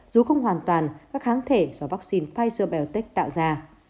dù không hoàn toàn các kháng thể do vaccine pfizer biontech tạo ra